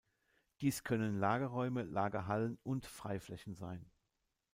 Dies können Lagerräume, Lagerhallen und Freiflächen sein.